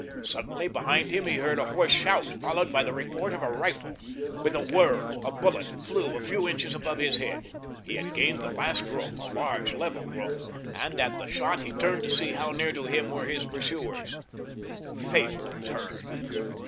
Suddenly, behind him he heard a hoarse shout, followed by the report of a rifle. With a whir, a bullet flew a few inches above his head. He had gained the last roof—a large, level roof—and at the shot he turned to see how near to him were his pursuers. Fatal turn!